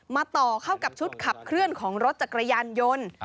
ต่อเข้ากับชุดขับเคลื่อนของรถจักรยานยนต์